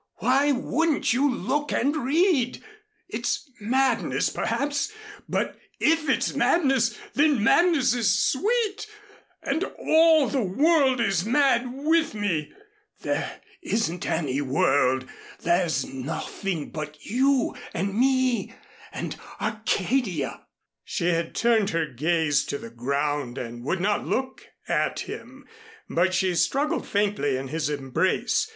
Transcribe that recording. Why wouldn't you look and read? It's madness, perhaps; but if it's madness, then madness is sweet and all the world is mad with me. There isn't any world. There's nothing but you and me and Arcadia." She had turned her gaze to the ground and would not look at him but she struggled faintly in his embrace.